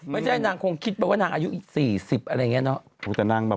ไม่ใช่นางคงคิดไปว่านางอายุ๔๐อะไรอย่างนี้เนอะ